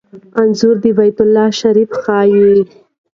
انځور د بیت الله شریف ښيي.